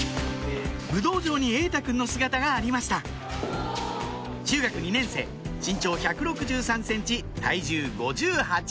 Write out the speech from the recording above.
武道場に瑛太君の姿がありました中学２年生身長１６３ｃｍ体重５８ｋｇ